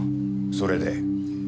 それで？